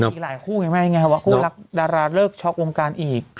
มีอีกหลายคู่ไงว่าดาราเลิกช็อกวงการอีก